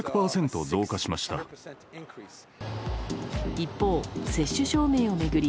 一方、接種証明を巡り